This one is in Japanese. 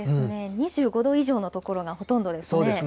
２５度以上の所がほとんどですね。